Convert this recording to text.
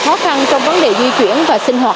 khó khăn trong vấn đề di chuyển và sinh hoạt